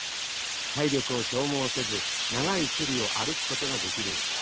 体力を消耗せず長い距離を歩くことができるのです。